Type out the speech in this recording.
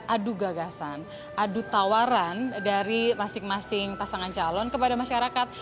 adu gagasan adu tawaran dari masing masing pasangan calon kepada masyarakat